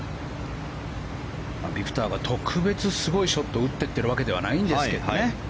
ビクトルが特別すごいショットを打っていっているわけではないんですけどね。